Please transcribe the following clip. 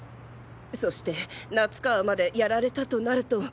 そして夏川まで殺られたとなると。